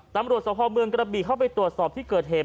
ตำรวจสภเมืองกระบีเข้าไปตรวจสอบที่เกิดเหตุ